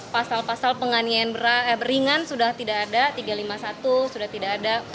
pasal pasal penganiayaan ringan sudah tidak ada tiga ratus lima puluh satu sudah tidak ada